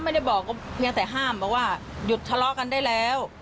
ไม่ได้บอกว่าเพียงแต่ห้ามบอกว่าหยุดทะเลาะกันได้แล้ว